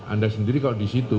anda sendiri kalau di situ